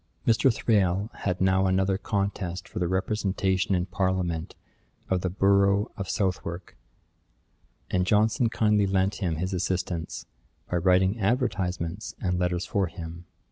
Mr. Thrale had now another contest for the representation in parliament of the borough of Southwark, and Johnson kindly lent him his assistance, by writing advertisements and letters for him.